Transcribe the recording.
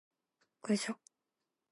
그죠?